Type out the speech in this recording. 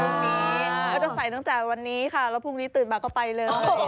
พรุ่งนี้ก็จะใส่ตั้งแต่วันนี้ค่ะแล้วพรุ่งนี้ตื่นมาก็ไปเลย